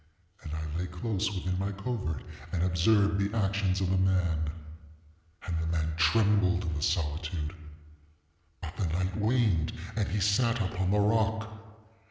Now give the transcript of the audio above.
And I lay close within my covert and observed the actions of the man. And the man trembled in the solitude; ŌĆöbut the night waned and he sat upon the rock.